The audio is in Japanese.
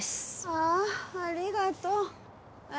ああありがとう。えっ？